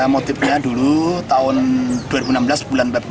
motifnya dulu tahun dua ribu enam belas bulan februari